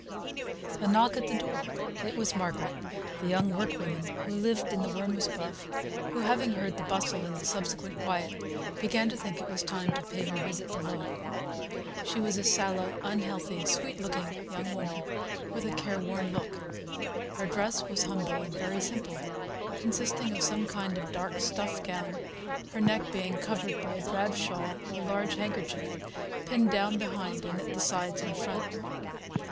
A knock at the door! It was Margaret, the young workwoman who lived in the rooms above, who having heard the bustle, and the subsequent quiet, began to think it was time to pay her visit below. She was a sallow, unhealthy, sweet looking young woman, with a careworn look; her dress was humble and very simple, consisting of some kind of dark stuff gown, her neck being covered by a drab shawl or large handkerchief, pinned down behind and at the sides in front.